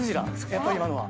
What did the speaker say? やっぱり今のは。